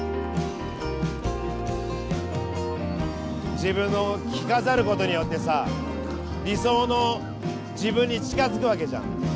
自分の着飾る事によってさ理想の自分に近づく訳じゃん。